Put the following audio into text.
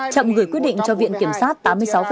chậm gửi quyết định cho viện kiểm sát tám mươi sáu